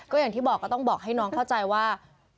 อย่างที่บอกก็ต้องบอกให้น้องเข้าใจว่า